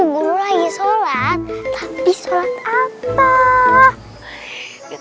belum lagi sholat tapi sholat apa